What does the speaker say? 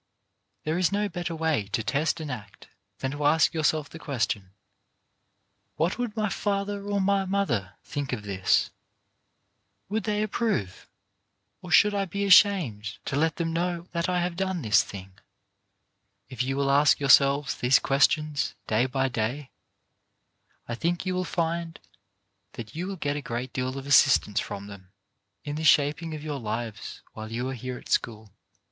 There is no better way to test an act than to ask yourself the question: "What would my father or my mother think of this? Would they 225 226 CHARACTER BUILDING approve, or should I be ashamed to let them know that I have done this thing?" If you will ask yourselves these questions day by day, I think you will find that you will get a great deal of as sistance from them in the shaping of your lives while you are here at school.